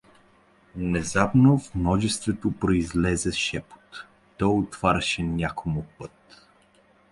Внезапно в множеството произлезе шепот, то отваряше някому път.